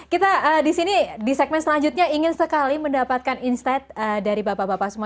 kita di sini di segmen selanjutnya ingin sekali mendapatkan insight dari bapak bapak semua